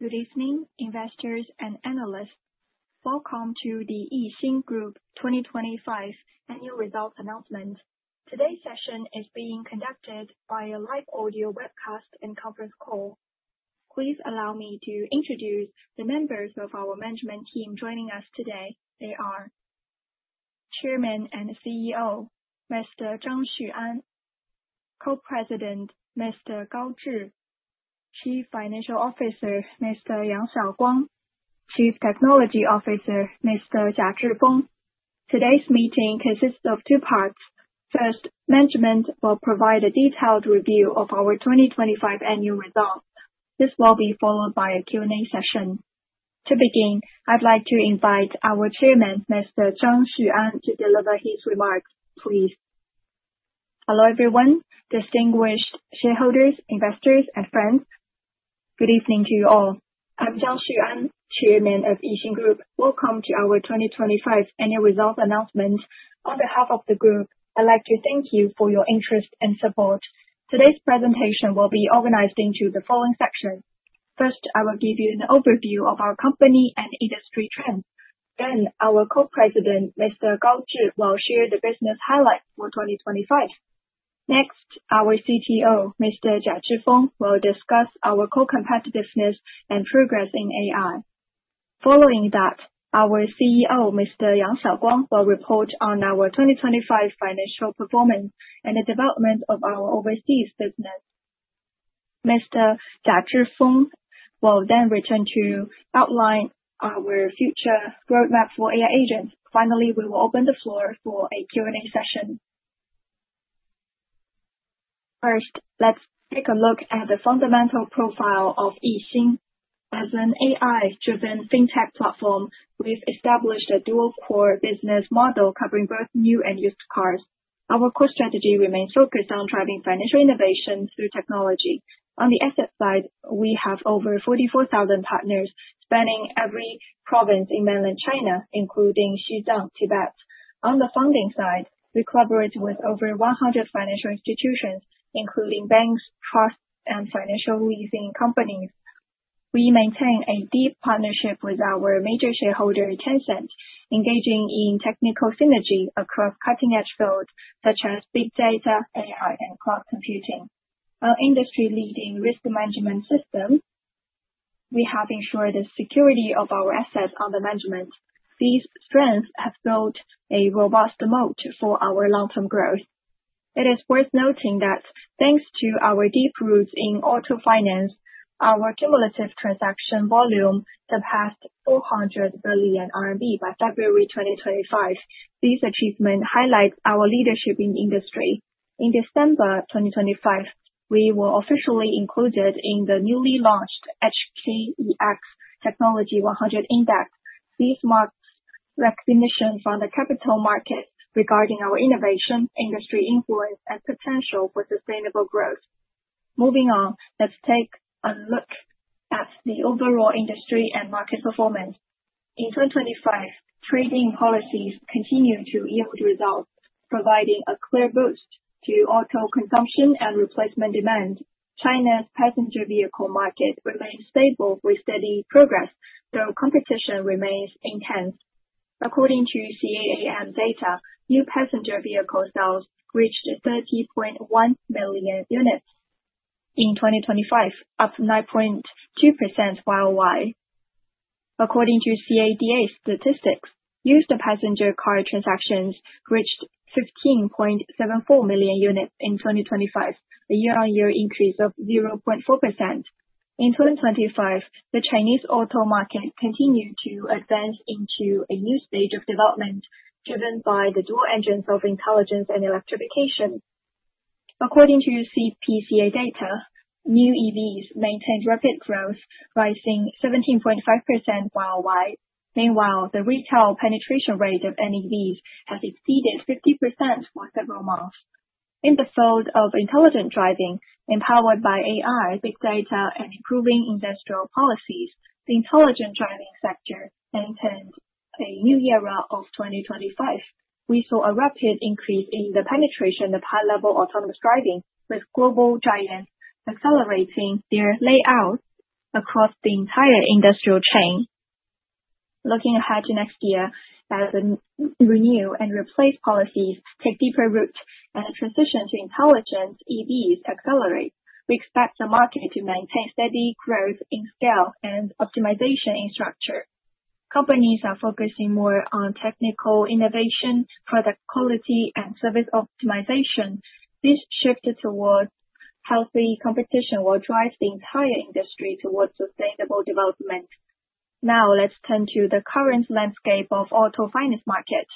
Good evening, investors and analysts. Welcome to the Yixin Group 2025 Annual Results Announcement. Today's session is being conducted by a live audio webcast and conference call. Please allow me to introduce the members of our management team joining us today. They are Chairman and CEO, Mr. Zhang Xuan 安. Co-president, Mr. Gao Zhi. Chief Financial Officer, Mr. Yang Xiaoguang. Chief Technology Officer, Mr. Jia Zhifeng. Today's meeting consists of two parts. First, management will provide a detailed review of our 2025 annual results. This will be followed by a Q&A session. To begin, I'd like to invite our Chairman, Mr. Zhang Xuan 安, to deliver his remarks, please. Hello, everyone. Distinguished shareholders, investors and friends, good evening to you all. I'm Zhang Xuan 安, Chairman of Yixin Group. Welcome to our 2025 Annual Results Announcement. On behalf of the group, I'd like to thank you for your interest and support. Today's presentation will be organized into the following sections. First, I will give you an overview of our company and industry trends. Then our Co-President, Mr. Gao Zhi, will share the business highlights for 2025. Next, our CTO, Mr. Jia Zhifeng, will discuss our core competitiveness and progress in AI. Following that, our CFO, Mr. Yang Xiaoguang, will report on our 2025 financial performance and the development of our overseas business. Mr. Jia Zhifeng will then return to outline our future roadmap for AI agents. Finally, we will open the floor for a Q&A session. First, let's take a look at the fundamental profile of Yixin. As an AI-driven fintech platform, we've established a dual-core business model covering both new and used cars. Our core strategy remains focused on driving financial innovation through technology. On the asset side, we have over 44,000 partners spanning every province in mainland China, including Xizang, Tibet. On the funding side, we collaborate with over 100 financial institutions, including banks, trusts, and financial leasing companies. We maintain a deep partnership with our major shareholder, Tencent, engaging in technical synergy across cutting-edge fields such as big data, AI, and cloud computing. Our industry-leading risk management system, we have ensured the security of our assets under management. These strengths have built a robust moat for our long-term growth. It is worth noting that thanks to our deep roots in auto finance, our cumulative transaction volume surpassed 400 billion RMB by February 2025. This achievement highlights our leadership in the industry. In December 2025, we were officially included in the newly launched HKEX Technology 100 Index. This marks recognition from the capital market regarding our innovation, industry influence, and potential for sustainable growth. Moving on, let's take a look at the overall industry and market performance. In 2025, trading policies continued to yield results, providing a clear boost to auto consumption and replacement demand. China's passenger vehicle market remained stable with steady progress, though competition remains intense. According to CAAM data, new passenger vehicle sales reached 30.1 million units in 2025, up 9.2% YoY. According to CADA statistics, used passenger car transactions reached 15.74 million units in 2025, a year-on-year increase of 0.4%. In 2025, the Chinese auto market continued to advance into a new stage of development, driven by the dual engines of intelligence and electrification. According to CPCA data, new EVs maintained rapid growth, rising 17.5% YoY. Meanwhile, the retail penetration rate of NEVs has exceeded 50% for several months. In the field of intelligent driving, empowered by AI, big data, and improving industrial policies, the intelligent driving sector entered a new era of 2025. We saw a rapid increase in the penetration of high-level autonomous driving, with global giants accelerating their layouts across the entire industrial chain. Looking ahead to next year as the renew and replace policies take deeper root and transition to intelligent EVs accelerate, we expect the market to maintain steady growth in scale and optimization in structure. Companies are focusing more on technical innovation, product quality, and service optimization. This shift towards healthy competition will drive the entire industry towards sustainable development. Let's turn to the current landscape of auto finance market.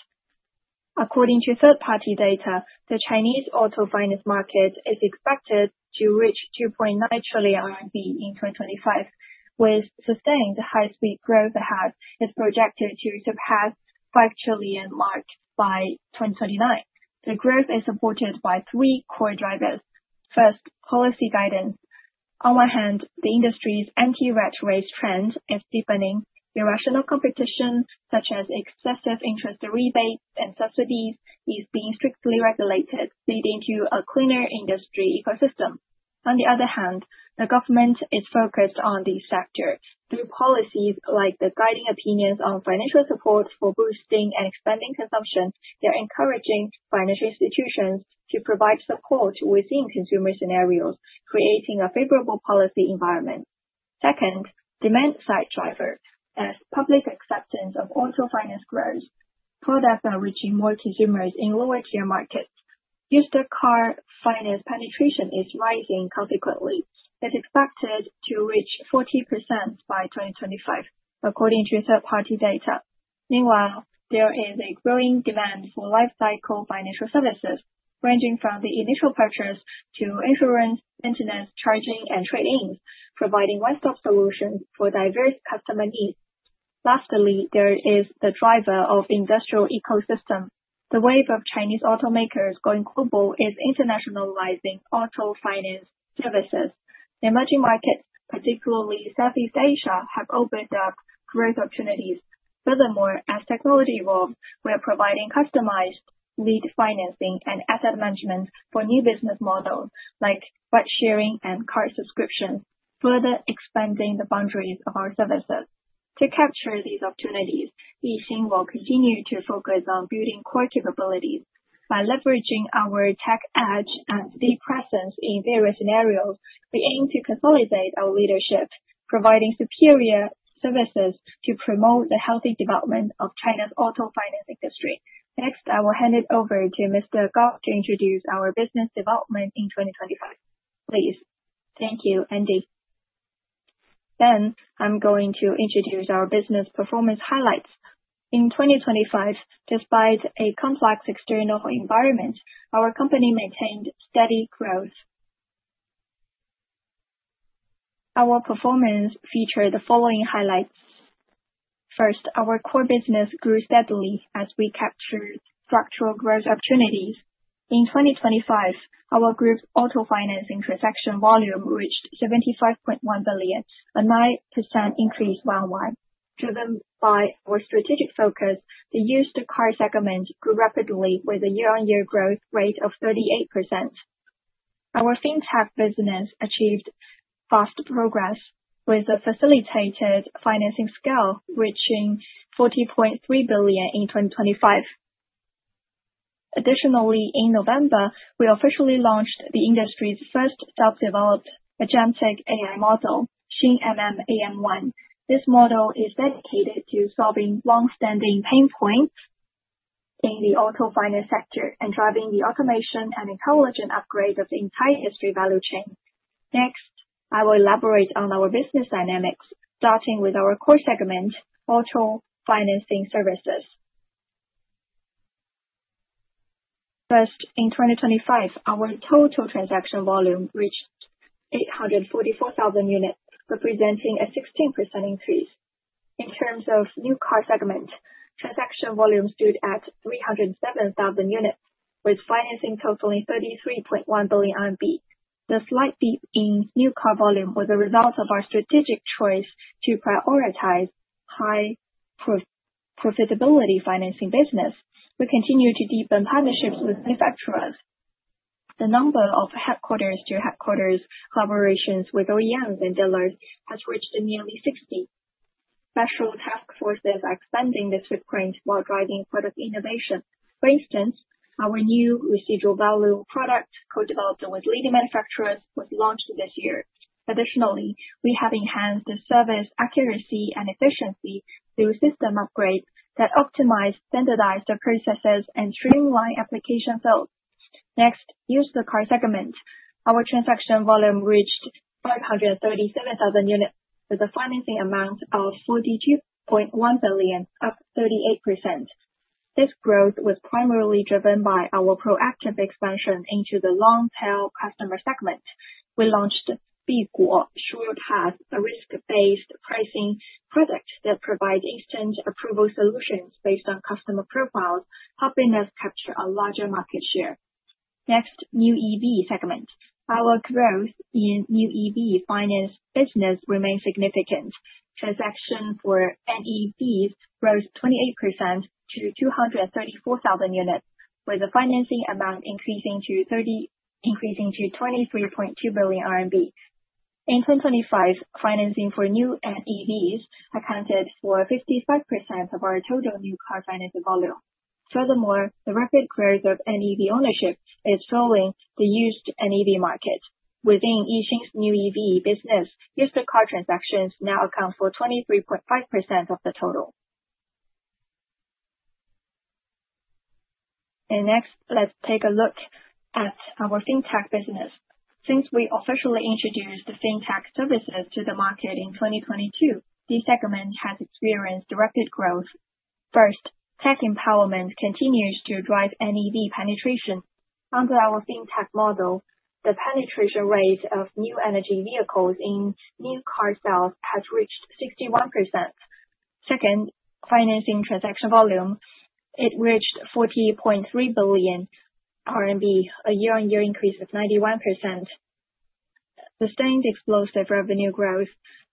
According to third-party data, the Chinese auto finance market is expected to reach 2.9 trillion RMB in 2025. With sustained high-speed growth ahead, it's projected to surpass 5 trillion mark by 2029. The growth is supported by three core drivers. First, policy guidance. On one hand, the industry's anti-involution trend is deepening. Irrational competition, such as excessive interest rebates and subsidies, is being strictly regulated, leading to a cleaner industry ecosystem. On the other hand, the government is focused on these sectors through policies like the Guiding Opinions on Financial Support for Boosting and Expanding Consumption. They're encouraging financial institutions to provide support within consumer scenarios, creating a favorable policy environment. Second, demand side driver. As public acceptance of auto finance grows, products are reaching more consumers in lower tier markets. Used car finance penetration is rising consequently. It's expected to reach 40% by 2025, according to third-party data. Meanwhile, there is a growing demand for life cycle financial services, ranging from the initial purchase to insurance, maintenance, charging, and trade-ins, providing one-stop solutions for diverse customer needs. Lastly, there is the driver of industrial ecosystem. The wave of Chinese automakers going global is internationalizing auto finance services. Emerging markets, particularly Southeast Asia, have opened up growth opportunities. Furthermore, as technology evolves, we are providing customized lead financing and asset management for new business models like ride sharing and car subscriptions, further expanding the boundaries of our services. To capture these opportunities, Yixin will continue to focus on building core capabilities by leveraging our tech edge and deep presence in various scenarios. We aim to consolidate our leadership, providing superior services to promote the healthy development of China's auto finance industry. Next, I will hand it over to Mr. Gao to introduce our business development in 2025. Please. Thank you, Xuan. I'm going to introduce our business performance highlights. In 2025, despite a complex external environment, our company maintained steady growth. Our performance featured the following highlights. First, our core business grew steadily as we captured structural growth opportunities. In 2025, our group auto financing transaction volume reached 75.1 billion, a 9% increase worldwide. Driven by our strategic focus, the used car segment grew rapidly with a year-on-year growth rate of 38%. Our fintech business achieved fast progress with a facilitated financing scale reaching 40.3 billion in 2025. In November, we officially launched the industry's first self-developed agentic AI model, XingMM-AM1. This model is dedicated to solving long-standing pain points in the auto finance sector and driving the automation and intelligent upgrade of the entire industry value chain. I will elaborate on our business dynamics, starting with our core segment, auto financing services. In 2025, our total transaction volume reached 844,000 units, representing a 16% increase. In terms of new car segment, transaction volume stood at 307,000 units, with financing totaling 33.1 billion RMB. The slight dip in new car volume was a result of our strategic choice to prioritize high pro-profitability financing business. We continue to deepen partnerships with manufacturers. The number of headquarters to headquarters collaborations with OEMs and dealers has reached nearly 60. Special task forces are expanding the footprint while driving product innovation. For instance, our new residual value product, co-developed with leading manufacturers, was launched this year. Additionally, we have enhanced the service accuracy and efficiency through system upgrades that optimize standardized processes and streamline application flow. Next, used car segment. Our transaction volume reached 537,000 units with a financing amount of 42.1 billion, up 38%. This growth was primarily driven by our proactive expansion into the long-tail customer segment. We launched Biguoshu Path, a risk-based pricing product that provides instant approval solutions based on customer profiles, helping us capture a larger market share. Next, new EV segment. Our growth in new EV finance business remains significant. Transaction for NEVs rose 28% to 234,000 units, with the financing amount increasing to 23.2 billion RMB. In 2025, financing for new NEVs accounted for 55% of our total new car financing volume. Furthermore, the rapid growth of NEV ownership is growing the used NEV market. Within Yixin's new EV business, used car transactions now account for 23.5% of the total. Next, let's take a look at our fintech business. Since we officially introduced the fintech services to the market in 2022, this segment has experienced rapid growth. First, tech empowerment continues to drive NEV penetration. Under our fintech model, the penetration rate of new energy vehicles in new car sales has reached 61%. Second, financing transaction volume, it reached 40.3 billion RMB, a year-on-year increase of 91%. Sustained explosive revenue growth.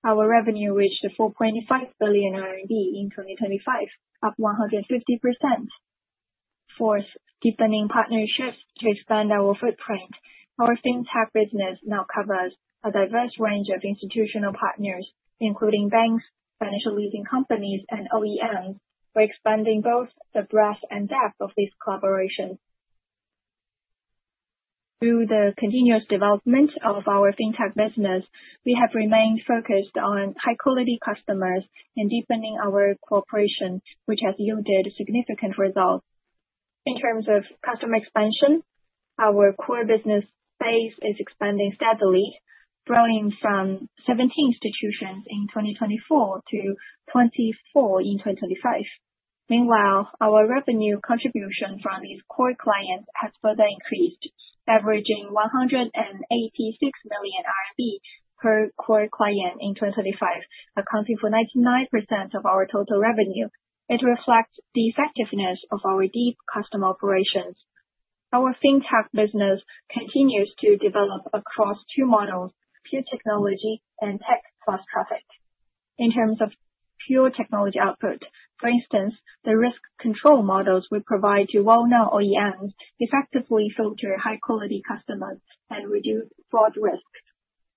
Our revenue reached 4.5 billion RMB in 2025, up 150%. Fourth, deepening partnerships to expand our footprint. Our Fintech business now covers a diverse range of institutional partners, including banks, financial leasing companies, and OEMs. We're expanding both the breadth and depth of these collaborations. Through the continuous development of our Fintech business, we have remained focused on high-quality customers and deepening our cooperation, which has yielded significant results. In terms of customer expansion, our core business base is expanding steadily, growing from 17 institutions in 2024 to 24 in 2025. Meanwhile, our revenue contribution from these core clients has further increased, averaging 186 million RMB per core client in 2025, accounting for 99% of our total revenue. It reflects the effectiveness of our deep custom operations. Our Fintech business continues to develop across two models: pure technology and tech plus traffic. In terms of pure technology output, for instance, the risk control models we provide to well-known OEMs effectively filter high-quality customers and reduce fraud risk.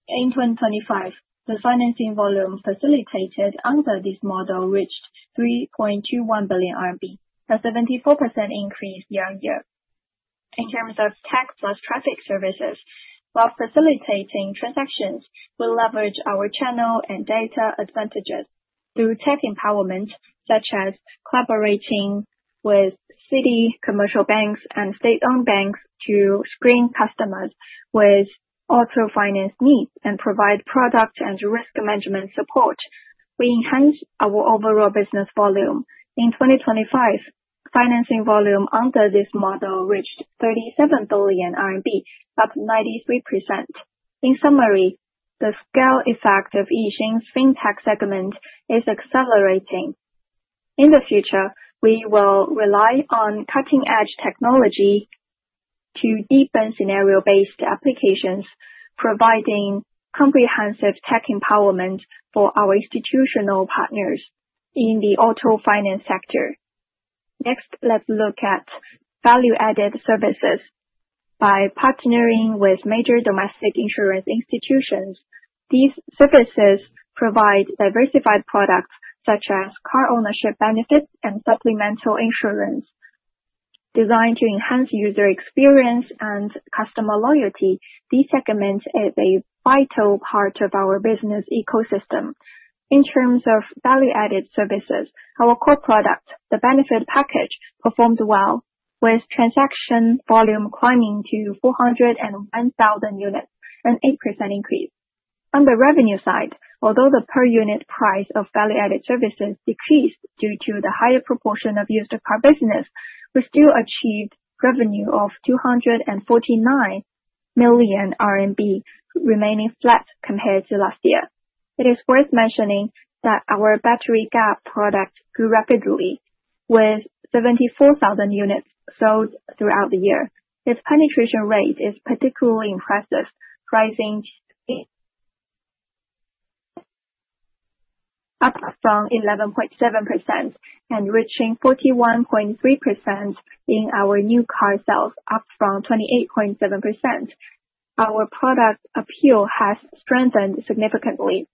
In 2025, the financing volume facilitated under this model reached 3.21 billion RMB, a 74% increase year-over-year. In terms of tech plus traffic services, while facilitating transactions, we leverage our channel and data advantages through tech empowerment, such as collaborating with city commercial banks and state-owned banks to screen customers with auto finance needs and provide product and risk management support. We enhance our overall business volume. In 2025, financing volume under this model reached 37 billion RMB, up 93%. In summary, the scale effect of Yixin's Fintech segment is accelerating. In the future, we will rely on cutting-edge technology to deepen scenario-based applications, providing comprehensive tech empowerment for our institutional partners in the auto finance sector. Let's look at value-added services. By partnering with major domestic insurance institutions, these services provide diversified products such as car ownership benefits and supplemental insurance. Designed to enhance user experience and customer loyalty, this segment is a vital part of our business ecosystem. In terms of value-added services, our core product, the benefit package, performed well, with transaction volume climbing to 401,000 units, an 8% increase. On the revenue side, although the per unit price of value-added services decreased due to the higher proportion of used car business, we still achieved revenue of 249 million RMB, remaining flat compared to last year. It is worth mentioning that our battery GAP product grew rapidly, with 74,000 units sold throughout the year. Its penetration rate is particularly impressive, rising up from 11.7% and reaching 41.3% in our new car sales, up from 28.7%. Our product appeal has strengthened significantly.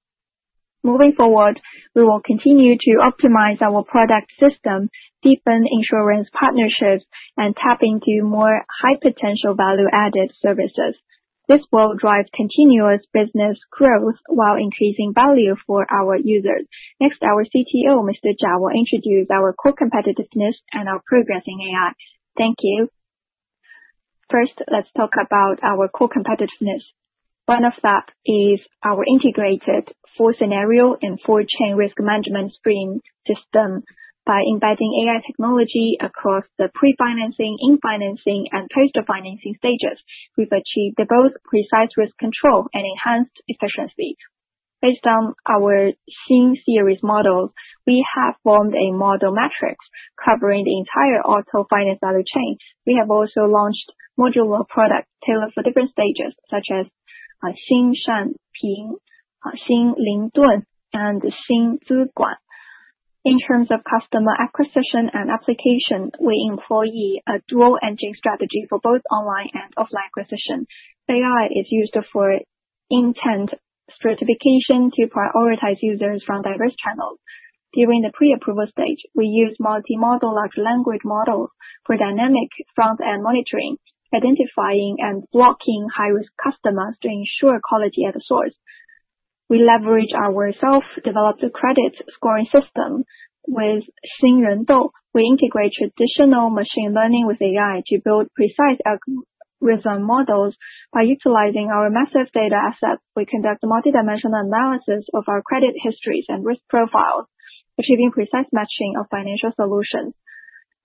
Moving forward, we will continue to optimize our product system, deepen insurance partnerships, and tap into more high potential value-added services. This will drive continuous business growth while increasing value for our users. Next, our CTO, Mr. Jia, will introduce our core competitiveness and our progress in AI. Thank you. First, let's talk about our core competitiveness. One of that is our integrated full scenario and full chain risk management screening system. By embedding AI technology across the pre-financing, in-financing, and post-financing stages, we've achieved both precise risk control and enhanced efficiency. Based on our Xing series models, we have formed a model matrix covering the entire auto finance value chain. We have also launched modular products tailored for different stages, such as Xing Shan Ping, Xing Ling Dun, and Xing Zhu Guan. In terms of customer acquisition and application, we employ a dual-engine strategy for both online and offline acquisition. AI is used for intent stratification to prioritize users from diverse channels. During the pre-approval stage, we use multimodal large language models for dynamic front-end monitoring, identifying and blocking high-risk customers to ensure quality at the source. We leverage our self-developed credit scoring system with Xing Ren Dou. We integrate traditional machine learning with AI to build precise algorithm models. By utilizing our massive data assets, we conduct multidimensional analysis of our credit histories and risk profiles, achieving precise matching of financial solutions.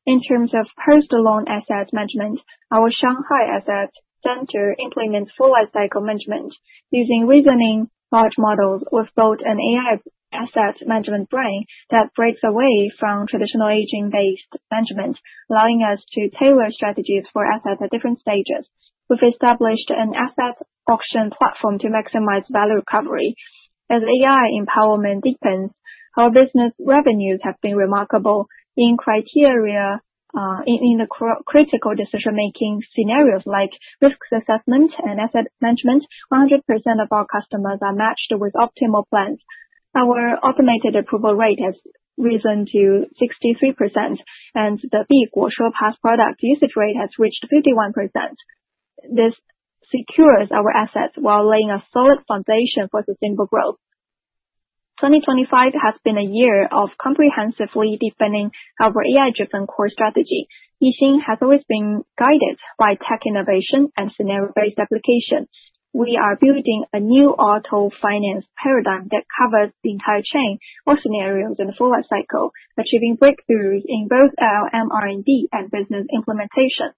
In terms of post-loan asset management, our Shanghai asset center implements full life cycle management using reasoning large models with both an AI asset management brain that breaks away from traditional aging-based management, allowing us to tailor strategies for assets at different stages. We've established an asset auction platform to maximize value recovery. As AI empowerment deepens, our business revenues have been remarkable in critical decision-making scenarios like risk assessment and asset management. 100% of our customers are matched with optimal plans. Our automated approval rate has risen to 63%, and the product usage rate has reached 51%. This secures our assets while laying a solid foundation for sustainable growth. 2025 has been a year of comprehensively defending our AI-driven core strategy. Yixin has always been guided by tech innovation and scenario-based application. We are building a new auto finance paradigm that covers the entire chain or scenarios in the forward cycle, achieving breakthroughs in both our MR&D and business implementation.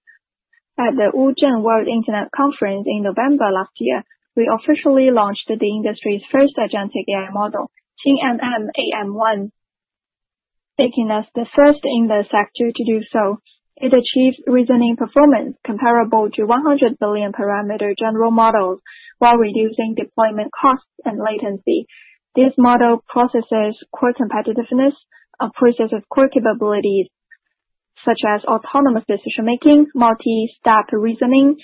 At the Wuzhen World Internet Conference in November last year, we officially launched the industry's first agentic AI model, XingMM-AM1, making us the first in the sector to do so. It achieves reasoning performance comparable to 100 billion parameter general models while reducing deployment costs and latency. This model processes core competitiveness, a process of core capabilities such as autonomous decision-making, multi-step reasoning,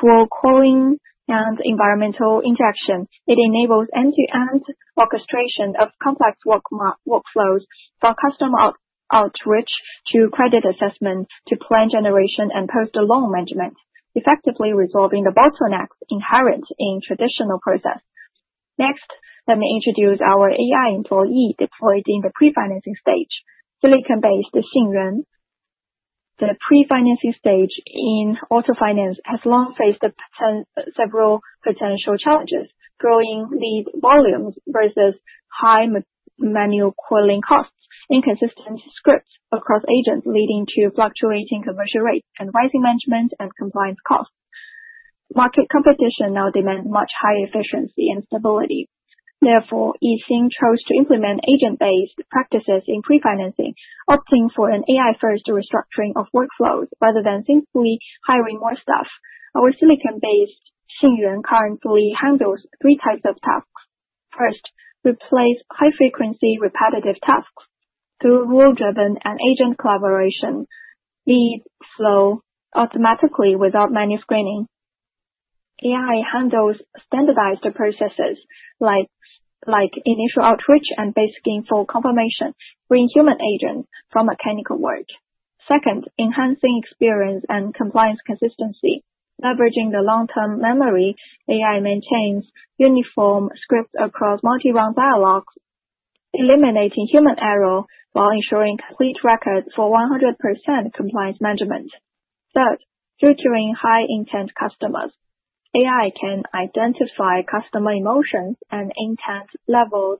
tool calling, and environmental interaction. It enables end-to-end orchestration of complex workflows from customer outreach to credit assessment to plan generation and post-loan management, effectively resolving the bottlenecks inherent in traditional process. Next, let me introduce our AI employee deployed in the pre-financing stage silicon-based Xingren. The pre-financing stage in auto finance has long faced several potential challenges, growing lead volumes versus high manual calling costs, inconsistent scripts across agents, leading to fluctuating conversion rates, and rising management and compliance costs. Market competition now demands much higher efficiency and stability. Therefore, Yixin chose to implement agent-based practices in pre-financing, opting for an AI-first restructuring of workflows rather than simply hiring more staff. Our silicon-based Xingren currently handles three types of tasks. First, replace high-frequency repetitive tasks through rule-driven and agent collaboration. Leads flow automatically without manual screening. AI handles standardized processes like initial outreach and basic info confirmation, freeing human agents from mechanical work. Second, enhancing experience and compliance consistency. Leveraging the long-term memory, AI maintains uniform scripts across multi-round dialogues, eliminating human error while ensuring complete records for 100% compliance management. Third, filtering high-intent customers. AI can identify customer emotions and intent levels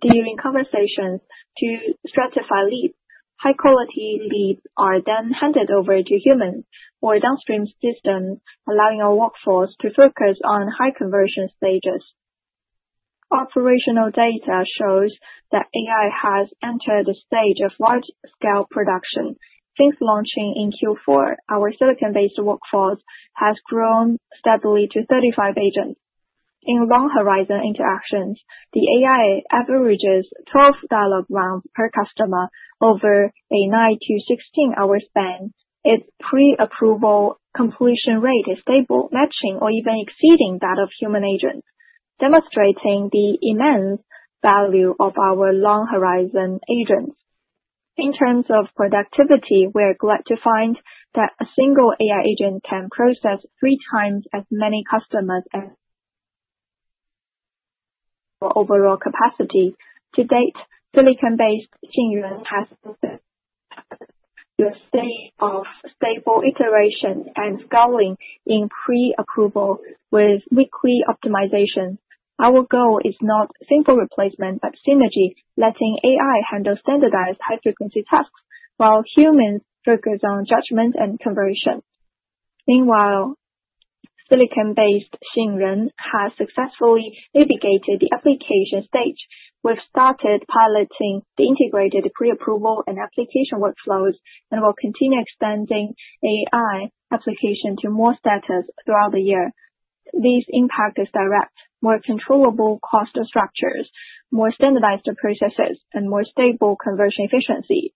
during conversations to stratify leads. High quality leads are handed over to humans or downstream systems, allowing our workforce to focus on high conversion stages. Operational data shows that AI has entered the stage of wide scale production. Since launching in Q4, our silicon-based workforce has grown steadily to 35 agents. In long horizon interactions, the AI averages 12 dialogue rounds per customer over a 9-16 hour span. Its pre-approval completion rate is stable, matching or even exceeding that of human agents, demonstrating the immense value of our long horizon agents. In terms of productivity, we're glad to find that a single AI agent can process 3x as many customers. To date, silicon-based Xingren has a state of stable iteration and scaling in pre-approval with weekly optimization. Our goal is not simple replacement, but synergy, letting AI handle standardized high-frequency tasks while humans focus on judgment and conversion. Meanwhile, silicon-based Xingren has successfully navigated the application stage. We've started piloting the integrated pre-approval and application workflows and will continue extending AI application to more status throughout the year. This impact is direct, more controllable cost structures, more standardized processes, and more stable conversion efficiency.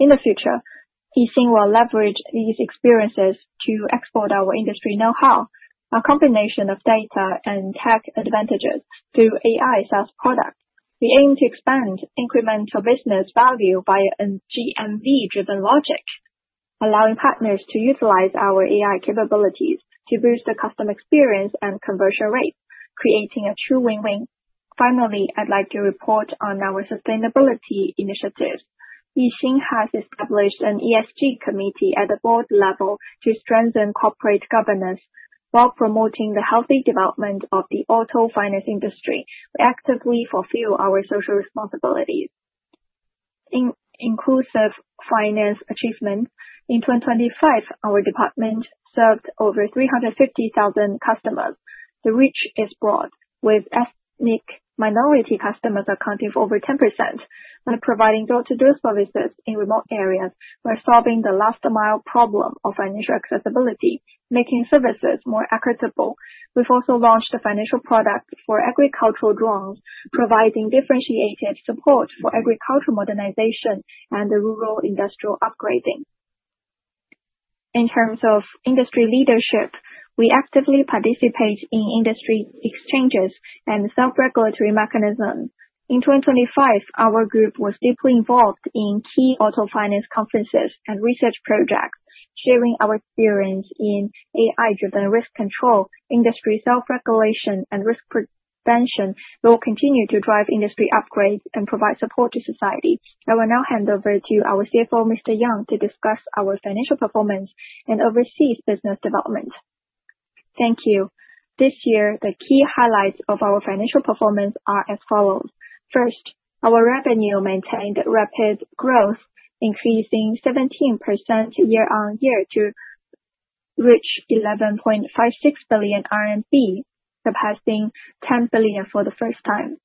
In the future, Yixin will leverage these experiences to export our industry know-how, our combination of data and tech advantages through AI SaaS products. We aim to expand incremental business value via an GMV-driven logic, allowing partners to utilize our AI capabilities to boost the customer experience and conversion rates, creating a true win-win. Finally, I'd like to report on our sustainability initiatives. Yixin has established an ESG committee at the board level to strengthen corporate governance while promoting the healthy development of the auto finance industry to actively fulfill our social responsibilities. In inclusive finance achievement, in 2025, our department served over 350,000 customers. The reach is broad, with ethnic minority customers accounting for over 10%. When providing door-to-door services in remote areas, we're solving the last mile problem of financial accessibility, making services more equitable. We've also launched a financial product for agricultural drones, providing differentiated support for agricultural modernization and the rural industrial upgrading. In terms of industry leadership, we actively participate in industry exchanges and self-regulatory mechanisms. In 2025, our group was deeply involved in key auto finance conferences and research projects, sharing our experience in AI-driven risk control, industry self-regulation, and risk prevention will continue to drive industry upgrades and provide support to society. I will now hand over to our CFO, Mr. Yang, to discuss our financial performance and overseas business development. Thank you. This year, the key highlights of our financial performance are as follows. First, our revenue maintained rapid growth, increasing 17% year-over-year to reach 11.56 billion RMB, surpassing 10 billion for the first time.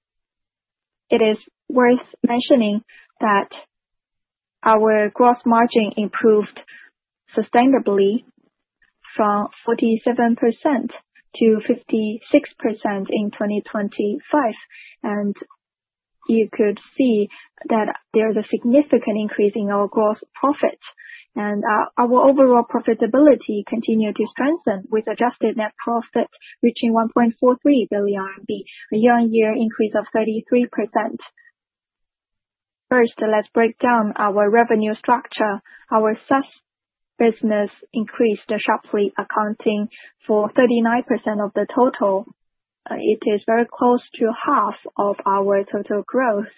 It is worth mentioning that our gross margin improved sustainably from 47%-56% in 2025. You could see that there is a significant increase in our gross profit. Our overall profitability continued to strengthen with adjusted net profit reaching 1.43 billion RMB, a year-on-year increase of 33%. First, let's break down our revenue structure. Our SaaS business increased sharply, accounting for 39% of the total. It is very close to half of our total growth.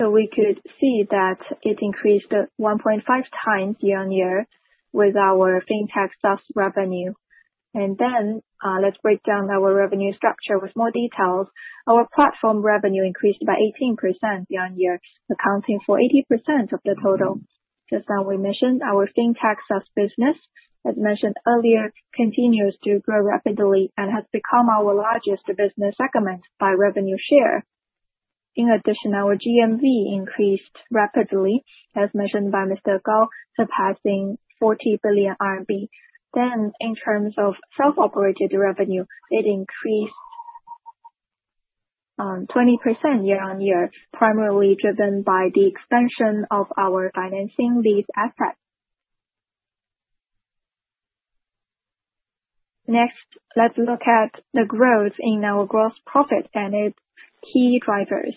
We could see that it increased 1.5x year-on-year with our Fintech SaaS revenue. Let's break down our revenue structure with more details. Our platform revenue increased by 18% year-on-year, accounting for 80% of the total. Just as we mentioned, our Fintech SaaS business, as mentioned earlier, continues to grow rapidly and has become our largest business segment by revenue share. Our GMV increased rapidly, as mentioned by Mr. Gao, surpassing 40 billion RMB. In terms of self-operated revenue, it increased 20% year-on-year, primarily driven by the expansion of our financing lease assets. Next, let's look at the growth in our gross profit and its key drivers.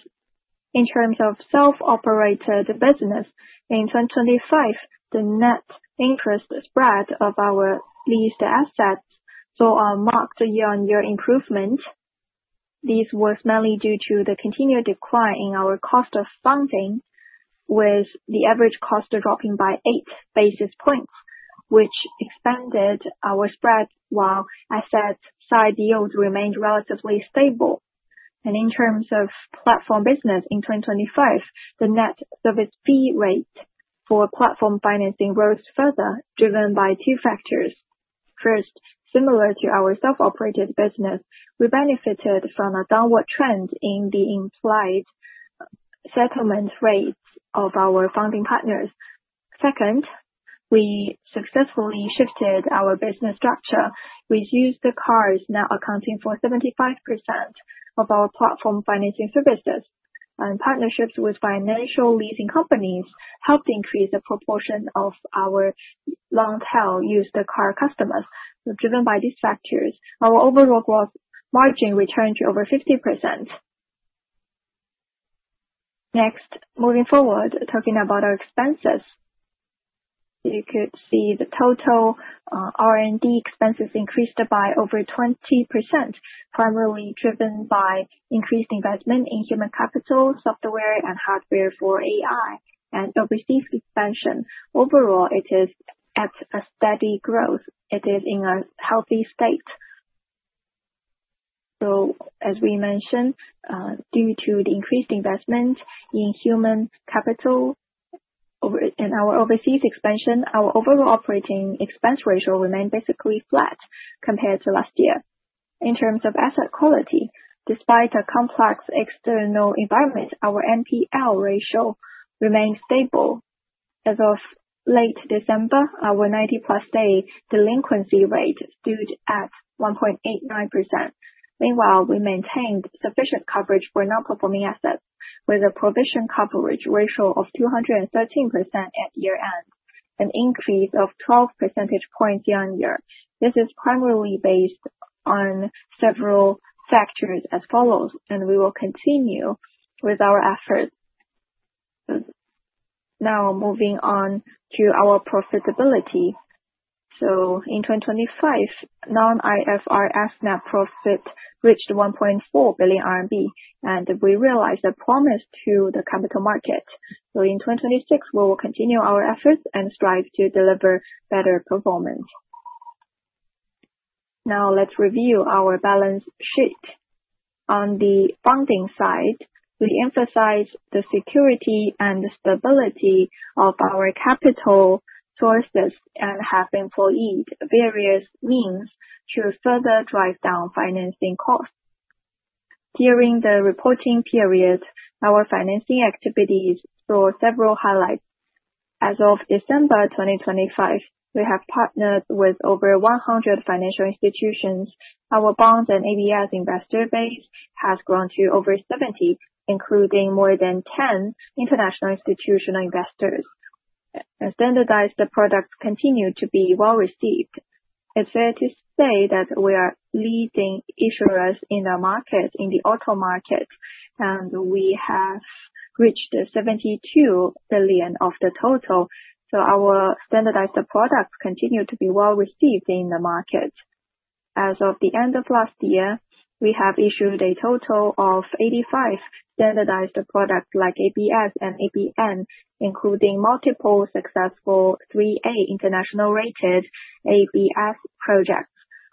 In terms of self-operated business, in 2025, the net interest spread of our leased assets saw a marked year-on-year improvement. This was mainly due to the continued decline in our cost of funding, with the average cost dropping by 8 basis points, which expanded our spread while asset side deals remained relatively stable. In terms of platform business in 2025, the net service fee rate for platform financing grows further, driven by 2 factors. First, similar to our self-operated business, we benefited from a downward trend in the implied settlement rates of our funding partners. Second, we successfully shifted our business structure, with used cars now accounting for 75% of our platform financing services. Partnerships with financial leasing companies helped increase the proportion of our long-tail used car customers. Driven by these factors, our overall gross margin returned to over 50%. Moving forward, talking about our expenses. You could see the total R&D expenses increased by over 20%, primarily driven by increased investment in human capital, software and hardware for AI and overseas expansion. Overall, it is at a steady growth. It is in a healthy state. As we mentioned, due to the increased investment in human capital in our overseas expansion, our overall operating expense ratio remained basically flat compared to last year. In terms of asset quality, despite a complex external environment, our NPL ratio remained stable. As of late December, our 90+ day delinquency rate stood at 1.89%. Meanwhile, we maintained sufficient coverage for non-performing assets with a provision coverage ratio of 213% at year-end, an increase of 12 percentage points year-on-year. This is primarily based on several factors as follows. We will continue with our efforts. Moving on to our profitability. In 2025, non-IFRS net profit reached 1.4 billion RMB. We realized a promise to the capital market. In 2026, we will continue our efforts and strive to deliver better performance. Let's review our balance sheet. On the funding side, we emphasize the security and the stability of our capital sources and have employed various means to further drive down financing costs. During the reporting period, our financing activities saw several highlights. As of December 2025, we have partnered with over 100 financial institutions. Our bonds and ABS investor base has grown to over 70, including more than 10 international institutional investors. Our standardized products continue to be well-received. It's fair to say that we are leading issuers in the market, in the auto market, and we have reached 72 billion of the total. Our standardized products continue to be well-received in the market. As of the end of last year, we have issued a total of 85 standardized products like ABS and ABN, including multiple successful AAA international-rated ABS projects.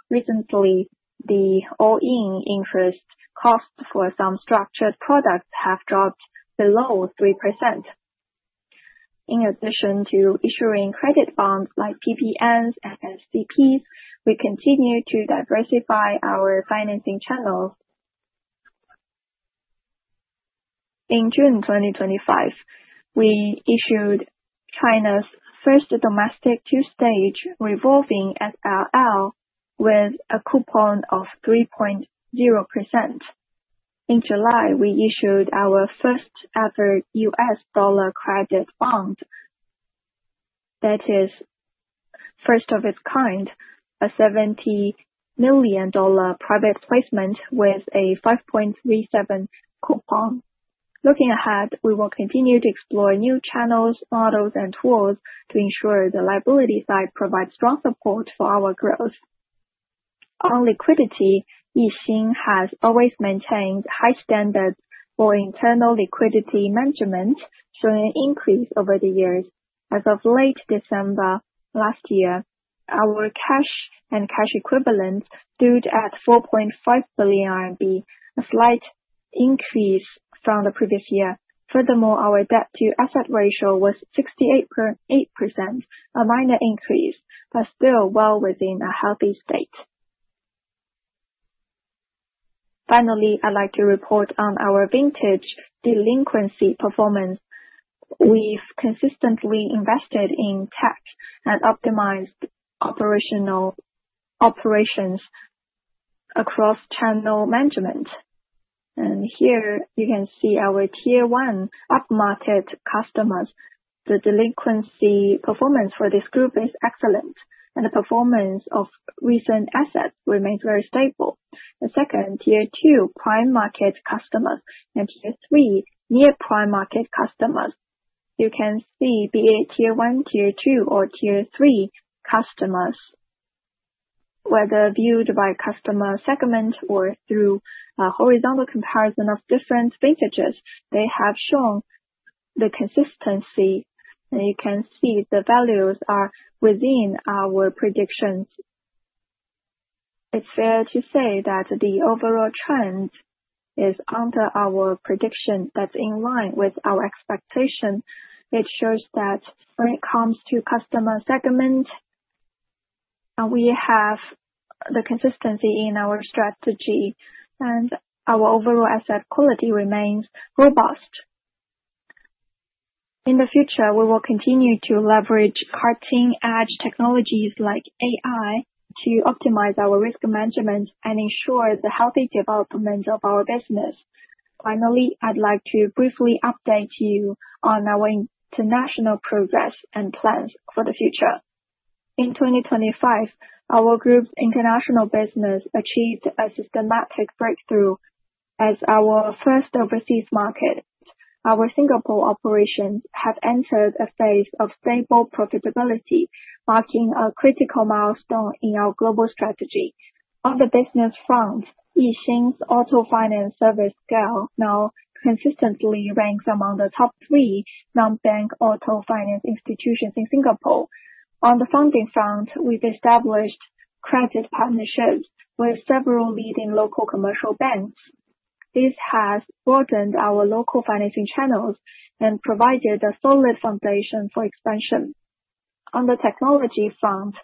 Recently, the all-in interest cost for some structured products have dropped below 3%. In addition to issuing credit bonds like PPNs and SCPs, we continue to diversify our financing channels. In June 2025, we issued China's first domestic two-stage revolving SLL with a coupon of 3.0%. In July, we issued our first ever U.S. dollar credit bond. That is first of its kind, a $70 million private placement with a 5.37 coupon. Looking ahead, we will continue to explore new channels, models, and tools to ensure the liability side provides strong support for our growth. On liquidity, Yixin has always maintained high standards for internal liquidity management, showing an increase over the years. As of late December last year, our cash and cash equivalents stood at 4.5 billion RMB, a slight increase from the previous year. Furthermore, our debt-to-asset ratio was 68.8%, a minor increase, but still well within a healthy state. Finally, I'd like to report on our vintage delinquency performance. We've consistently invested in tech and optimized operational operations across channel management. Here you can see our Tier 1 up-market customers. The delinquency performance for this group is excellent, and the performance of recent assets remains very stable. The second, Tier 2 prime market customers and Tier 3 near-prime market customers. You can see be it Tier 1, Tier 2, or Tier 3 customers, whether viewed by customer segment or through a horizontal comparison of different vintages, they have shown the consistency, and you can see the values are within our predictions. It's fair to say that the overall trend is under our prediction that's in line with our expectation. It shows that when it comes to customer segment, we have the consistency in our strategy, and our overall asset quality remains robust. In the future, we will continue to leverage cutting-edge technologies like AI to optimize our risk management and ensure the healthy development of our business. Finally, I'd like to briefly update you on our international progress and plans for the future. In 2025, our group's international business achieved a systematic breakthrough as our first overseas market. Our Singapore operations have entered a phase of stable profitability, marking a critical milestone in our global strategy. On the business front, Yixin's auto finance service scale now consistently ranks among the top 3 non-bank auto finance institutions in Singapore. On the funding front, we've established credit partnerships with several leading local commercial banks. This has broadened our local financing channels and provided a solid foundation for expansion. On the technology front,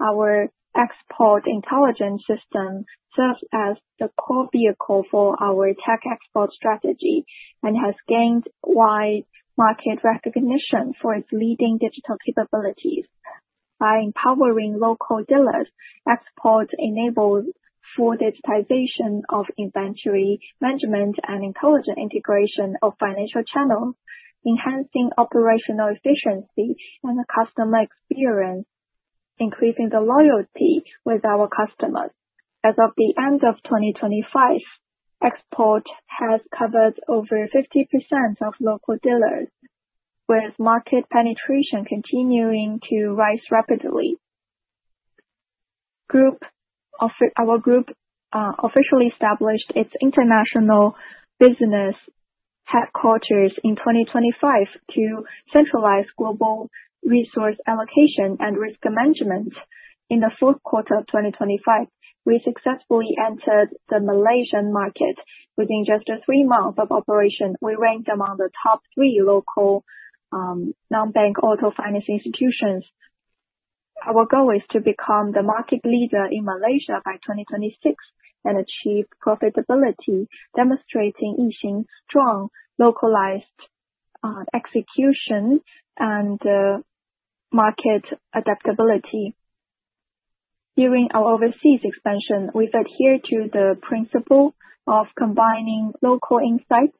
our export intelligence system serves as the core vehicle for our tech export strategy and has gained wide market recognition for its leading digital capabilities. By empowering local dealers, export enables full digitization of inventory management and intelligent integration of financial channels, enhancing operational efficiency and the customer experience, increasing the loyalty with our customers. As of the end of 2025, export has covered over 50% of local dealers, with market penetration continuing to rise rapidly. Our group officially established its international business headquarters in 2025 to centralize global resource allocation and risk management. In the fourth quarter of 2025, we successfully entered the Malaysian market. Within just three months of operation, we ranked among the top three local non-bank auto finance institutions. Our goal is to become the market leader in Malaysia by 2026 and achieve profitability, demonstrating Yixin's strong localized execution and market adaptability. During our overseas expansion, we've adhered to the principle of combining local insights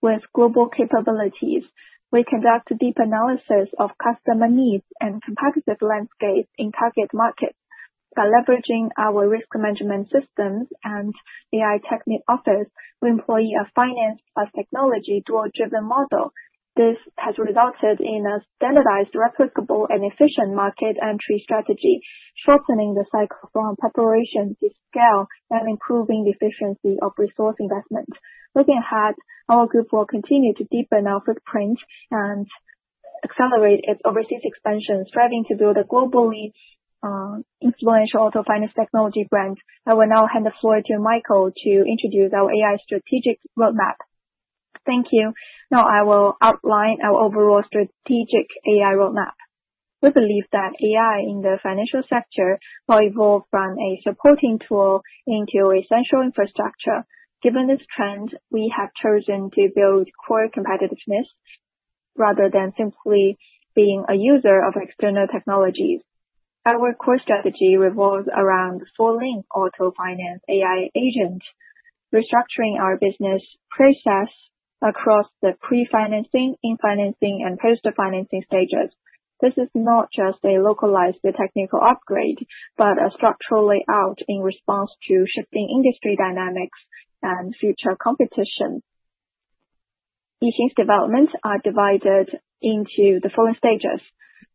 with global capabilities. We conduct a deep analysis of customer needs and competitive landscape in target markets by leveraging our risk management systems and AI technique offers. We employ a finance plus technology dual driven model. This has resulted in a standardized, replicable, and efficient market entry strategy, shortening the cycle from preparation to scale and improving the efficiency of resource investment. Looking ahead, our group will continue to deepen our footprint and accelerate its overseas expansion, striving to build a globally influential auto finance technology brand. I will now hand the floor to Zhifeng to introduce our AI strategic roadmap. Thank you. I will outline our overall strategic AI roadmap. We believe that AI in the financial sector will evolve from a supporting tool into essential infrastructure. Given this trend, we have chosen to build core competitiveness rather than simply being a user of external technologies. Our core strategy revolves around full-length auto finance AI agent, restructuring our business process across the pre-financing, in-financing, and post-financing stages. This is not just a localized technical upgrade, but a structural layout in response to shifting industry dynamics and future competition. Yixin's developments are divided into the following stages.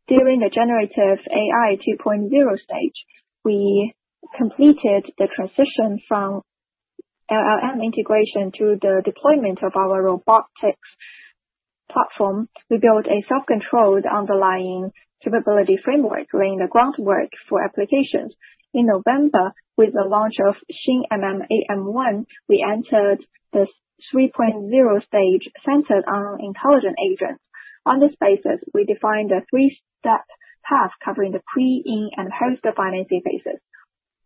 During the Generative AI 2.0 stage, we completed the transition from LLM integration to the deployment of our robotics platform to build a self-controlled underlying capability framework, laying the groundwork for applications. In November, with the launch of XingMM-AM1, we entered the 3.0 stage centered on intelligent agents. On this basis, we defined a three-step path covering the pre, in, and post-financing phases.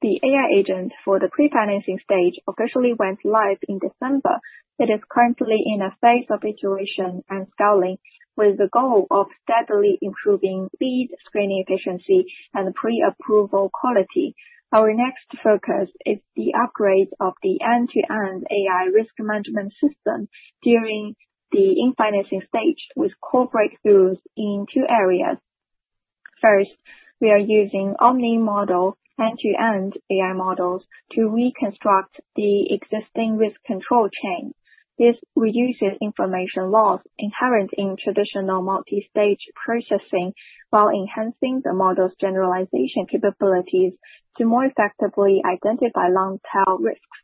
The AI agent for the pre-financing stage officially went live in December. It is currently in a phase of iteration and scaling with the goal of steadily improving lead screening efficiency and pre-approval quality. Our next focus is the upgrade of the end-to-end AI risk management system during the in-financing stage with core breakthroughs in two areas. First, we are using omni model, end-to-end AI models to reconstruct the existing risk control chain. This reduces information loss inherent in traditional multi-stage processing while enhancing the model's generalization capabilities to more effectively identify long tail risks.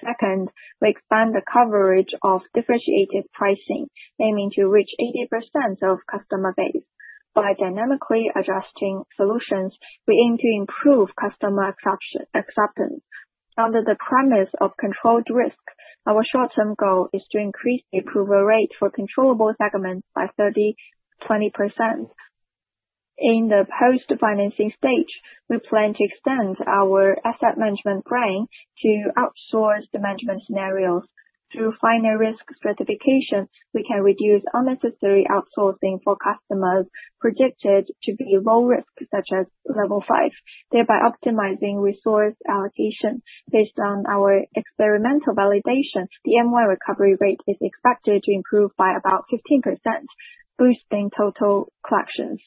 Second, we expand the coverage of differentiated pricing, aiming to reach 80% of customer base. By dynamically adjusting solutions, we aim to improve customer acceptance. Under the premise of controlled risk, our short-term goal is to increase the approval rate for controllable segments by 30%, 20%. In the post-financing stage, we plan to extend our asset management brain to outsource the management scenarios. Through finer risk stratification, we can reduce unnecessary outsourcing for customers projected to be low risk, such as Level 5, thereby optimizing resource allocation based on our experimental validation. The MY recovery rate is expected to improve by about 15%, boosting total collections.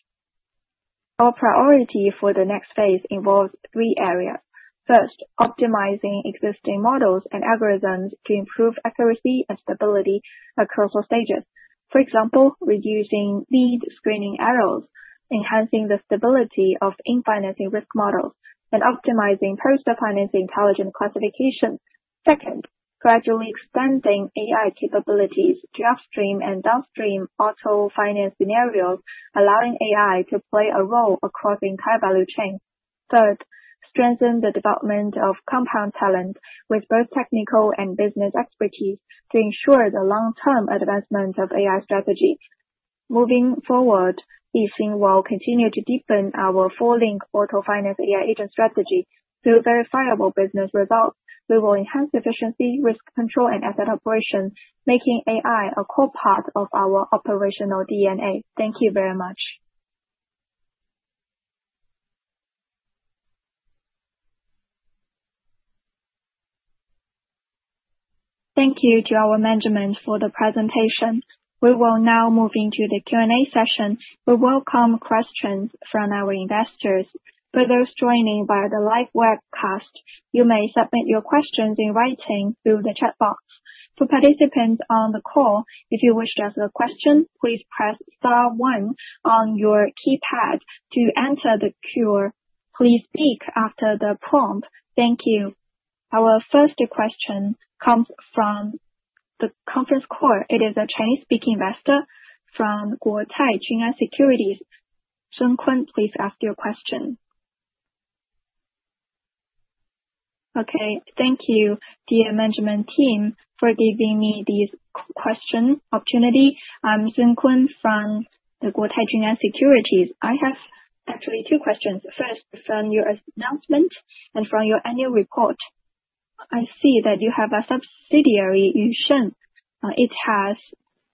Our priority for the next phase involves three areas. First, optimizing existing models and algorithms to improve accuracy and stability across all stages. For example, reducing lead screening errors, enhancing the stability of in-financing risk models, and optimizing post-financing intelligence classification. Second, gradually expanding AI capabilities to upstream and downstream auto finance scenarios, allowing AI to play a role across the entire value chain. Third, strengthen the development of compound talent with both technical and business expertise to ensure the long-term advancement of AI strategy. Moving forward, Yixin will continue to deepen our full-length auto finance AI agent strategy through verifiable business results. We will enhance efficiency, risk control, and asset operations, making AI a core part of our operational DNA. Thank you very much. Thank you to our management for the presentation. We will now move into the Q&A session. We welcome questions from our investors. For those joining via the live webcast, you may submit your questions in writing through the chat box. For participants on the call, if you wish to ask a question, please press star one on your keypad to enter the queue. Please speak after the prompt. Thank you. Our first question comes from the conference call. It is a Chinese-speaking investor from CP Securities. Lucia Zhang, please ask your question. Okay. Thank you, dear management team for giving me this question opportunity. I'm Lucia Zhang from CP Securities. I have actually two questions. First, from your announcement and from your annual report, I see that you have a subsidiary, Yusheng. It has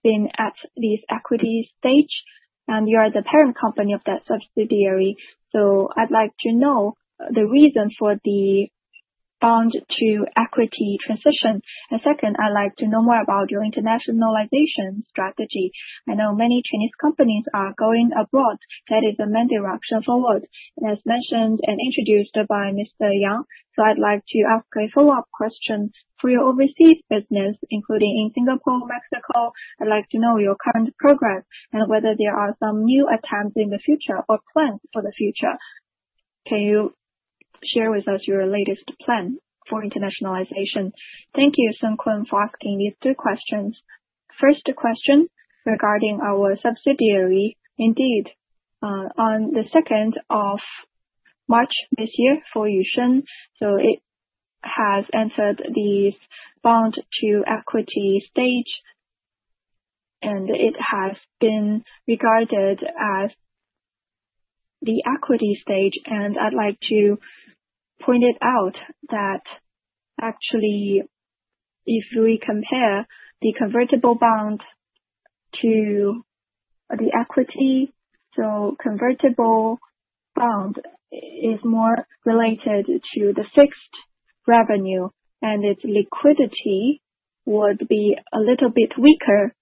been at this equity stage, and you are the parent company of that subsidiary. I'd like to know the reason for the bond to equity transition. Second, I'd like to know more about your internationalization strategy. I know many Chinese companies are going abroad. That is the main direction forward, as mentioned and introduced by Mr. Yang. I'd like to ask a follow-up question, for your overseas business, including in Singapore, Mexico, I'd like to know your current progress and whether there are some new attempts in the future or plans for the future. Can you share with us your latest plan for internationalization? Thank you, Lucia, for asking these two questions. First question regarding our subsidiary. Indeed, on the second of March this year, for Yusheng, it has entered the bond to equity stage, it has been regarded as the equity stage. I'd like to point it out that actually if we compare the convertible bond to the equity, convertible bond is more related to the fixed revenue, its liquidity would be a little bit weaker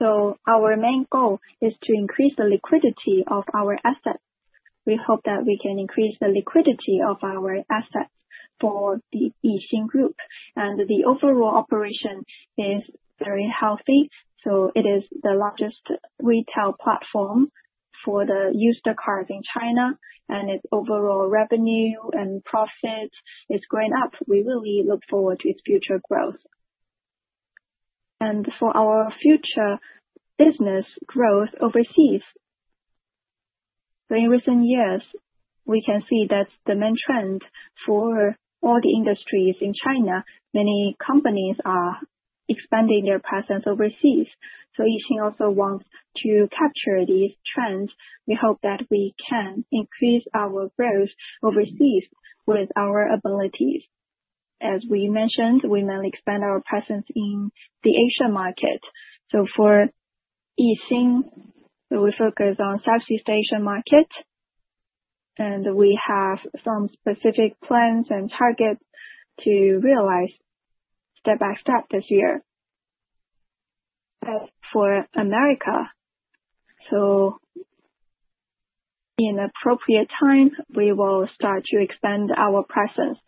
compared to the equities in the market. Our main goal is to increase the liquidity of our assets. We hope that we can increase the liquidity of our assets for the Yixin Group. The overall operation is very healthy, so it is the largest retail platform for the used cars in China, and its overall revenue and profit is going up. We really look forward to its future growth. For our future business growth overseas. In recent years, we can see that the main trend for all the industries in China, many companies are expanding their presence overseas. Yixin also wants to capture these trends. We hope that we can increase our growth overseas with our abilities. As we mentioned, we may expand our presence in the Asia market. For Yixin, we focus on Southeast Asian market, and we have some specific plans and targets to realize step by step this year. As for America, in appropriate time, we will start to expand our presence.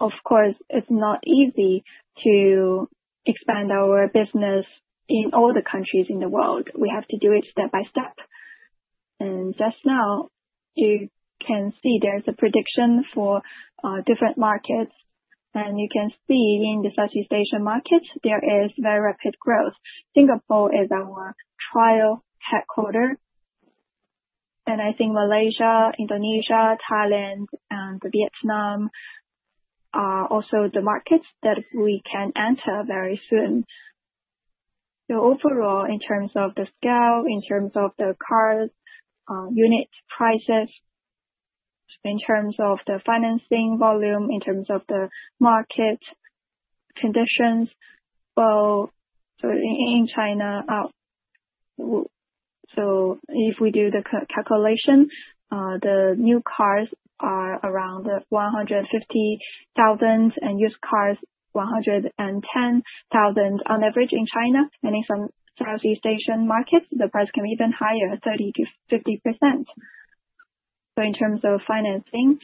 Of course, it's not easy to expand our business in all the countries in the world. We have to do it step by step. Just now, you can see there's a prediction for different markets. You can see in the Southeast Asian markets, there is very rapid growth. Singapore is our trial headquarter, and I think Malaysia, Indonesia, Thailand, and Vietnam are also the markets that we can enter very soon. Overall, in terms of the scale, in terms of the cars, unit prices, in terms of the financing volume, in terms of the market conditions, well, in China, if we do the calculation, the new cars are around 150,000 and used cars, 110,000 on average in China, and in some Southeast Asian markets, the price can be even higher, 30%-50%. In terms of financing,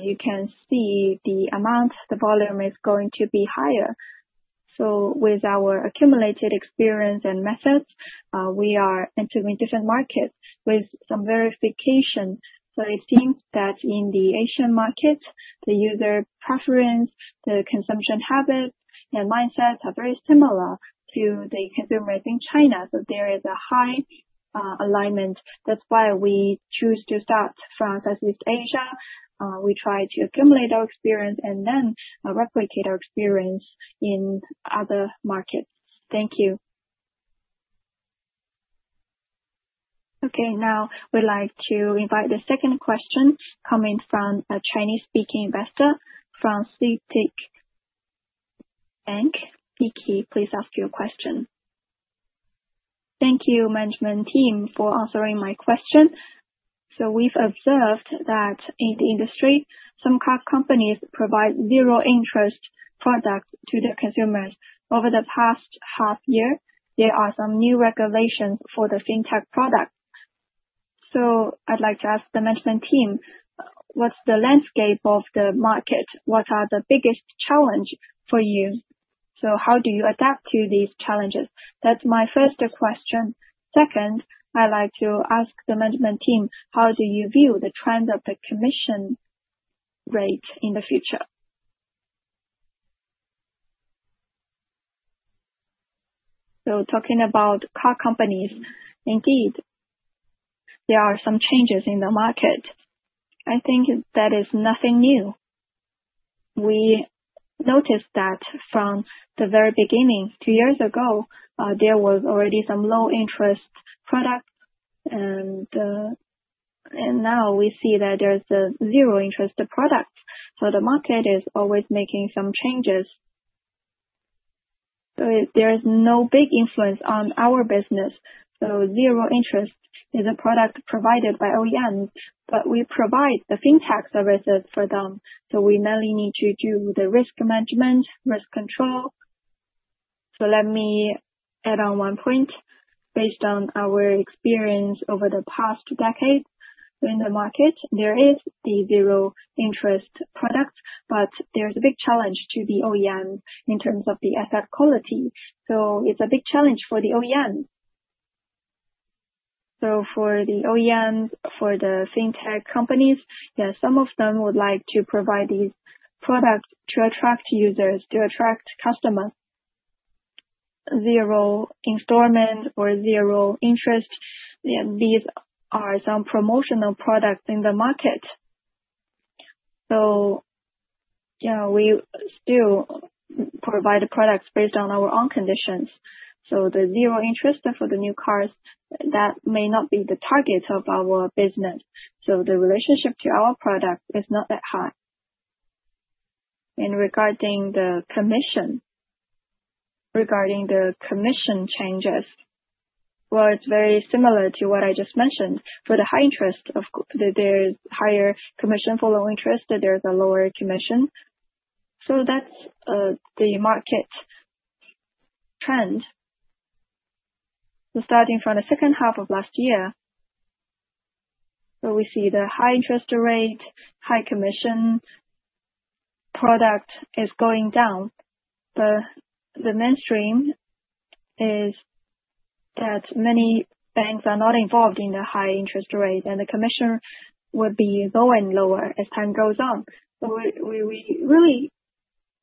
you can see the amount, the volume is going to be higher. With our accumulated experience and methods, we are entering different markets with some verification. It seems that in the Asian markets, the user preference, the consumption habits, and mindsets are very similar to the consumers in China. There is a high alignment. That's why we choose to start from Southeast Asia. We try to accumulate our experience and then replicate our experience in other markets. Thank you. Okay. Now we'd like to invite the second question coming from a Chinese-speaking investor from CICC. Maggie, please ask your question. Thank you, management team, for answering my question. We've observed that in the industry, some car companies provide zero interest products to their consumers. Over the past half year, there are some new regulations for the fintech products. I'd like to ask the management team, what's the landscape of the market? What are the biggest challenge for you? How do you adapt to these challenges? That's my first question. Second, I'd like to ask the management team, how do you view the trend of the commission rate in the future? Talking about car companies, indeed, there are some changes in the market. I think that is nothing new. We noticed that from the very beginning. Two years ago, there was already some low interest products, and now we see that there's a zero interest products. The market is always making some changes. There is no big influence on our business. Zero interest is a product provided by OEMs, but we provide the fintech services for them. We mainly need to do the risk management, risk control. Let me add on one point. Based on our experience over the past decade, in the market, there is the zero interest products, but there's a big challenge to the OEM in terms of the asset quality. It's a big challenge for the OEM. For the OEMs, for the fintech companies, some of them would like to provide these products to attract users, to attract customers. Zero installment or zero interest, these are some promotional products in the market. You know, we still provide the products based on our own conditions. The zero interest for the new cars, that may not be the target of our business. The relationship to our product is not that high. Regarding the commission, regarding the commission changes, well, it's very similar to what I just mentioned. For the high interest, the higher commission, for low interest, there's a lower commission. That's the market trend. Starting from the second half of last year, where we see the high interest rate, high commission product is going down. The mainstream is that many banks are not involved in the high interest rate, the commission would be going lower as time goes on. We really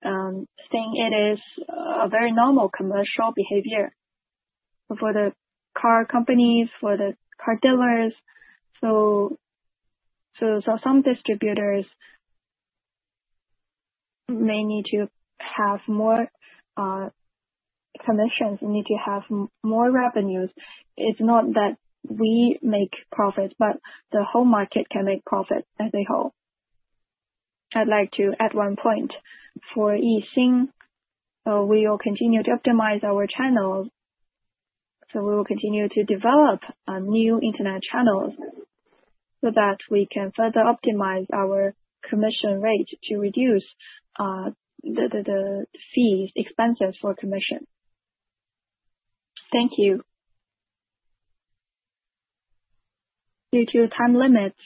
think it is a very normal commercial behavior for the car companies, for the car dealers. Some distributors may need to have more commissions, need to have more revenues. The whole market can make profits as a whole. I'd like to add one point. For Yixin, we will continue to optimize our channels, we will continue to develop new internet channels that we can further optimize our commission rate to reduce the fees, expenses for commission. Thank you. Due to time limits,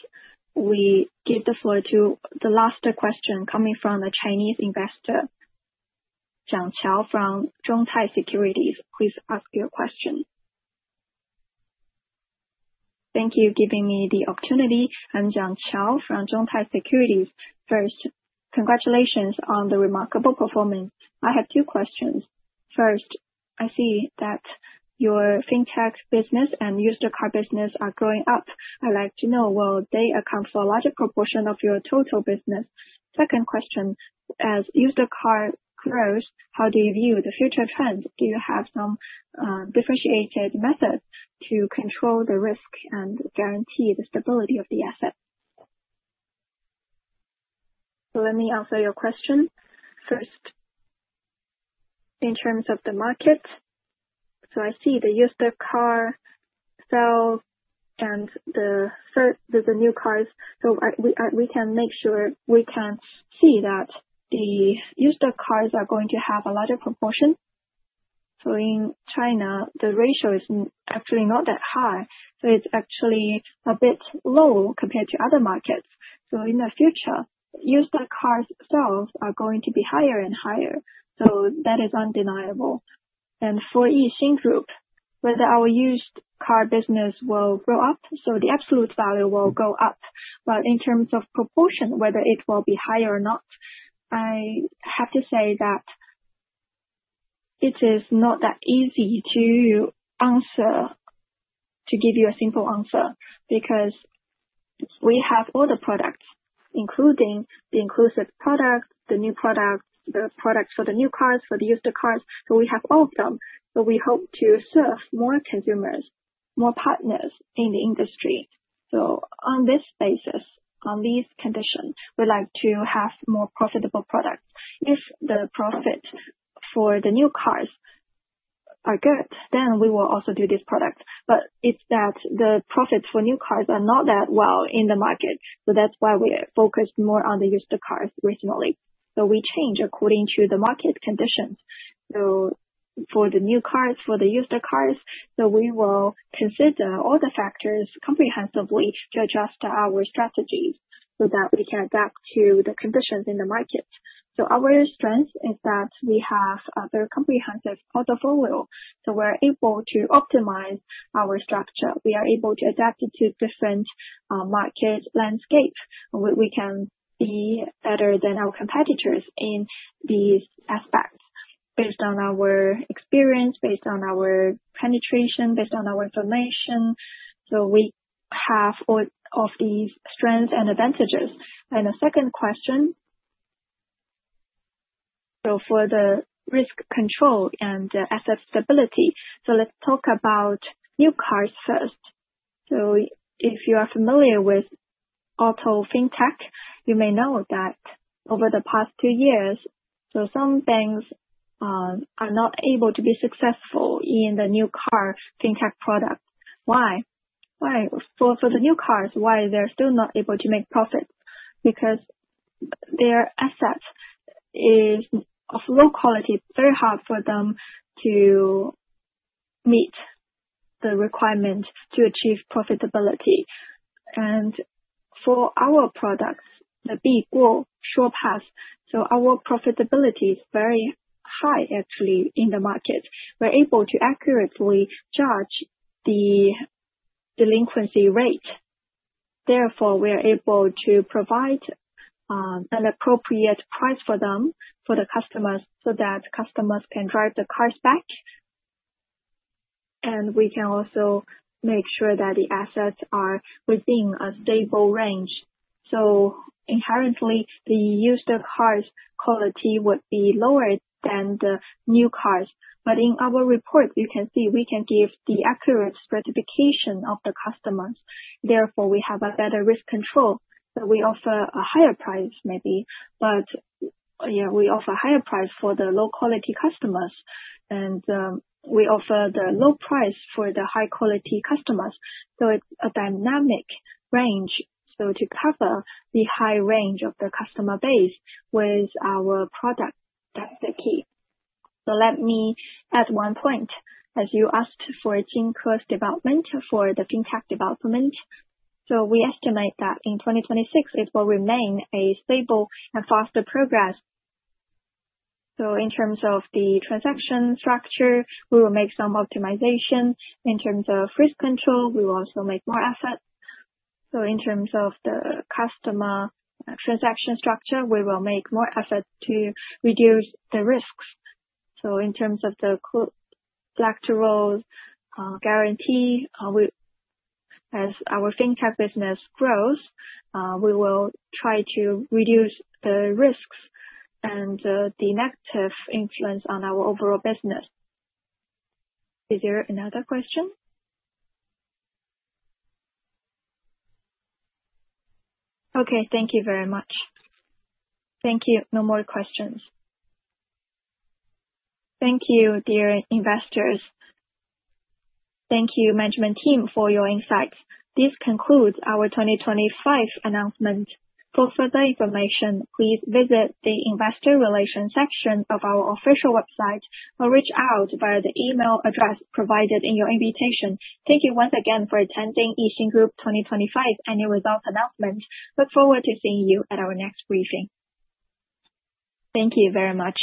we give the floor to the last question coming from a Chinese investor, Jennifer Wu from Haitong Securities. Please ask your question. Thank you for giving me the opportunity. I'm Jennifer Wu from Haitong Securities. First, congratulations on the remarkable performance. I have two questions. First, I see that your fintech business and used car business are going up. I'd like to know, will they account for a larger proportion of your total business? Second question, as used car grows, how do you view the future trends? Do you have some differentiated methods to control the risk and guarantee the stability of the assets? Let me answer your question. First, in terms of the market, I see the used car sales and the new cars. We can make sure we can see that the used cars are going to have a larger proportion. In China, the ratio is actually not that high, so it's actually a bit low compared to other markets. In the future, used car sales are going to be higher and higher, so that is undeniable. For Yixin Group, whether our used car business will grow up, so the absolute value will go up. In terms of proportion, whether it will be high or not, I have to say that it is not that easy to answer, to give you a simple answer, because we have other products, including the inclusive products, the new products, the products for the new cars, for the used cars. We have all of them. We hope to serve more consumers, more partners in the industry. On this basis, on these conditions, we like to have more profitable products. If the profit for the new cars are good, we will also do this product. It's that the profits for new cars are not that well in the market, that's why we're focused more on the used cars originally. We change according to the market conditions. For the new cars, for the used cars, we will consider all the factors comprehensively to adjust our strategies so that we can adapt to the conditions in the market. Our strength is that we have a very comprehensive portfolio, we're able to optimize our structure. We are able to adapt to different market landscape. We can be better than our competitors in these aspects based on our experience, based on our penetration, based on our information. We have all of these strengths and advantages. The second question for the risk control and asset stability, let's talk about new cars first. If you are familiar with auto fintech, you may know that over the past two years, some banks are not able to be successful in the new car fintech products. Why? The new cars, why they're still not able to make profits? Their asset is of low quality, very hard for them to meet the requirements to achieve profitability. For our products, the, our profitability is very high actually in the market. We're able to accurately judge the delinquency rate, therefore, we are able to provide an appropriate price for them, for the customers, so that customers can drive the cars back. We can also make sure that the assets are within a stable range. Inherently, the used cars quality would be lower than the new cars. In our report, you can see we can give the accurate specification of the customers, therefore we have a better risk control. We offer a higher price maybe, but yeah, we offer higher price for the low-quality customers. We offer the low price for the high-quality customers. It's a dynamic range, so to cover the high range of the customer base with our product. That's the key. Let me add one point. As you asked for Xingren's development, for the fintech development, we estimate that in 2026 it will remain a stable and foster progress. In terms of the transaction structure, we will make some optimization. In terms of risk control, we will also make more efforts. In terms of the customer transaction structure, we will make more effort to reduce the risks. In terms of the factor or guarantee, as our fintech business grows, we will try to reduce the risks and the negative influence on our overall business. Is there another question? Thank you very much. Thank you. No more questions. Thank you, dear investors. Thank you, management team, for your insights. This concludes our 2025 Announcement. For further information, please visit the investor relation section of our official website or reach out via the email address provided in your invitation. Thank you once again for attending Yixin Group 2025 annual results announcement. Look forward to seeing you at our next briefing. Thank you very much.